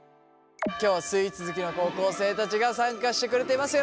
今日はスイーツ好きの高校生たちが参加してくれています。